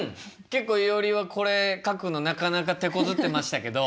結構いおりはこれ書くのなかなかてこずってましたけど。